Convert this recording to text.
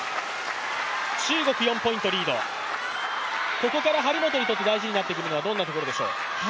ここから張本にとって大事になってくるのはどんなところでしょう。